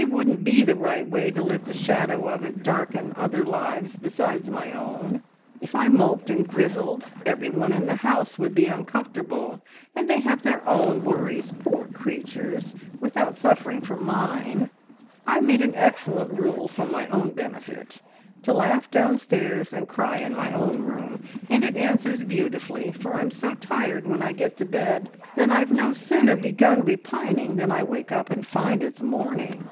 It wouldn't be the right way to let the shadow of it darken other lives besides my own. If I moped and grizzled, everyone in the house would be uncomfortable, and they have their own worries, poor creatures, without suffering for mine! I made an excellent rule for my own benefit to laugh downstairs and cry in my own room, and it answers beautifully, for I'm so tired when I get to bed that I've no sooner begun repining than I wake up and find it's morning.